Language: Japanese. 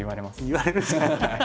言われるじゃない？